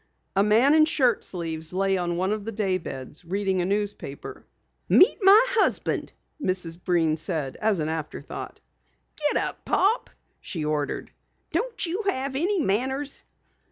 A man in shirt sleeves lay on one of the day beds, reading a newspaper. "Meet my husband," Mrs. Breen said as an afterthought. "Get up, Pop!" she ordered. "Don't you have any manners?"